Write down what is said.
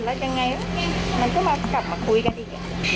แล้วยังไงมันก็มากลับมาคุยกันอีก